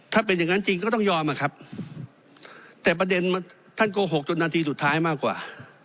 ถ้าเป็นอย่างนั้นจริงก็ต้องยอมอะครับแต่ประเด็นท่านโกหกจนนาทีสุดท้ายมากกว่า